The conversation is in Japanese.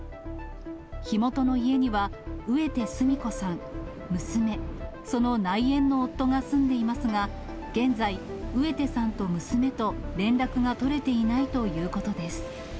火元の家には、植手純子さん、娘、その内縁の夫が住んでいますが、現在、植手さんと娘と連絡が取れていないということです。